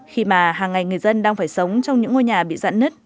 khi mà hàng ngày người dân đang phải sống trong những ngôi nhà bị giãn nứt